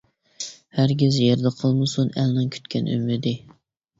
ھەرگىز يەردە قالمىسۇن، ئەلنىڭ كۈتكەن ئۈمىدى.